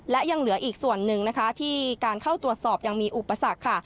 และยังเหลืออีกส่วนหนึ่งนะคะที่การเข้าตรวจสอบยังมีอุปสรรคค่ะ